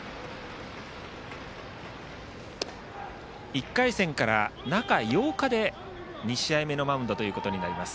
１回戦から中８日で２試合目のマウンドとなります